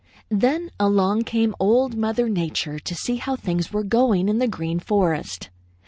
"Then along came Old Mother Nature to see how things were going in the Green Forest.